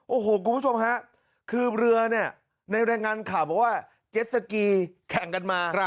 โอ้โหคุณผู้ชมฮะคือเรือเนี่ยในรายงานข่าวบอกว่าเจ็ดสกีแข่งกันมา